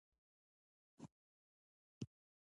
ځلاند صاحب د برخوالو څخه مننه وکړه.